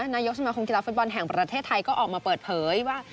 นายกสมาคมกีฬาฟุตบอลแห่งประเทศไทยก็ออกมาเปิดเผยว่า